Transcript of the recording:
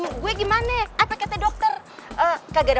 hai makasih doanya be